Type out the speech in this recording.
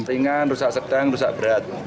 ringan rusak sedang rusak berat